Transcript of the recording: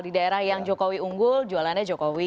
di daerah yang jokowi unggul jualannya jokowi